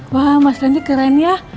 wah mas sandi keren ya